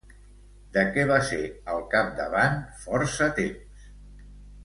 De què va ser al capdavant força temps?